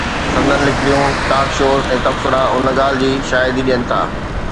سندس لکڻيون، talk shows ۽ تبصرا ان ڳالهه جي شاهدي ڏين ٿا.